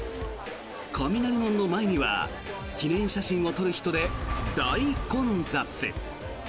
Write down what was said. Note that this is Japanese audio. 雷門の前には記念写真を撮る人で大混雑。